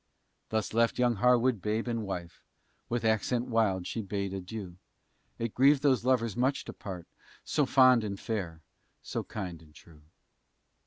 Thus left young Harwood babe and wife, With accent wild she bade adieu; It grieved those lovers much to part, So fond and fair, so kind and true.